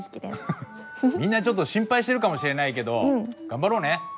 みんなちょっと心配してるかもしれないけど頑張ろうね。